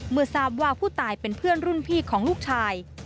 เมื่อทราบว่าผู้ตายเป็นเพื่อนรุ่นพี่ของลูกชาย